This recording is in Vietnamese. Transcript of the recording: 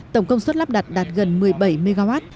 tổng công suất lắp đặt đạt gần một mươi bảy mw